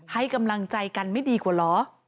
ให้กำลังใจกันไม่ดีกว่าเหรอ